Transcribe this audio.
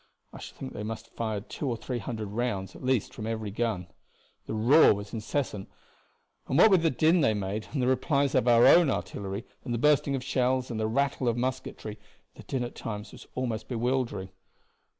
I should think they must have fired two or three hundred rounds at least from each gun. The roar was incessant, and what with the din they made, and the replies of our own artillery, and the bursting of shells, and the rattle of musketry, the din at times was almost bewildering.